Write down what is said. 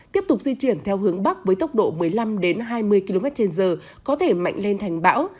tiếp tục di chuyển theo hướng bắc với tốc độ một mươi năm hai mươi km trên giờ có thể mạnh lên thành bão